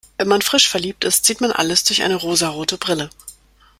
Wenn man frisch verliebt ist, sieht man alles durch eine rosarote Brille.